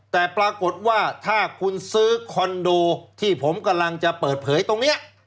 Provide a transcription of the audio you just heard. แต่ปรากฏว่าถ้าคุณซื้อคอนโดที่ผมกำลังจะเปิดเผยตรงนี้